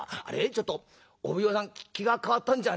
ちょっとお奉行さん気が変わったんじゃねえの。